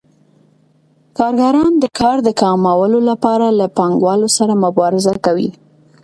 کارګران د کار د کمولو لپاره له پانګوالو سره مبارزه کوي